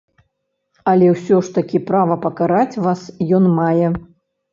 Але ўсё ж такі права пакараць вас ён мае.